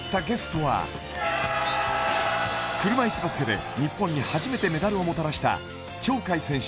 車いすバスケで日本に初めてメダルをもたらした鳥海選手